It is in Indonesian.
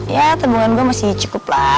ya teguran gue masih cukup lah